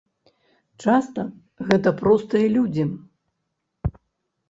Часта гэта простыя людзі.